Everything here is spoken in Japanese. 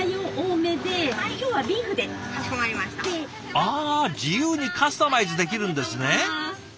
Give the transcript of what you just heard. あ自由にカスタマイズできるんですね。